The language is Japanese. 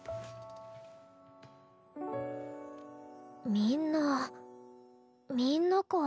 みんなみんなかあ。